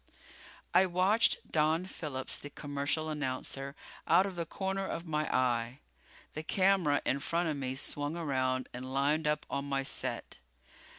I watched Don Phillips, the commercial announcer, out of the corner of my eye. The camera in front of me swung around and lined up on my set.